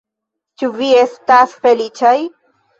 Ĉu vi estas feliĉaj?